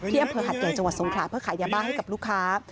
อำเภอหัดใหญ่จังหวัดสงขลาเพื่อขายยาบ้าให้กับลูกค้า